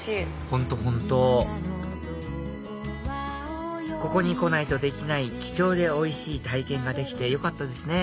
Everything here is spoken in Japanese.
ホントホントここに来ないとできない貴重でおいしい体験ができてよかったですね